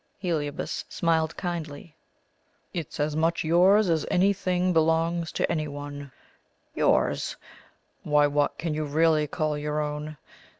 Heliobas smiled kindly. "It is as much yours as any thing belongs to anyone. Yours? why, what can you really call your own?